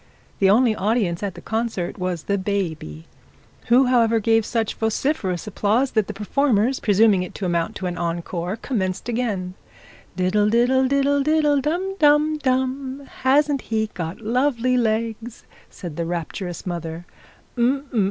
The only audience at the concert was the baby, who however gave such vociferous applause, that the performers presuming it to amount to an encore, commenced again. 'Diddle, diddle, diddle, diddle, dum, dum, dum: hasn't he got lovely legs?' said the rapturous mother.